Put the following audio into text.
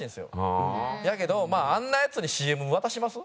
やけどまああんなヤツにＣＭ渡します？